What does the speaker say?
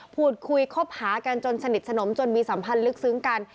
พูดคุยคบหากันจนสนิทสนมจนมีสัมพันธ์ลึกซึ้งกัน